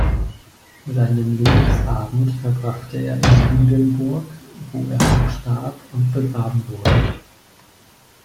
Seinen Lebensabend verbrachte er in Judenburg, wo er auch starb und begraben wurde.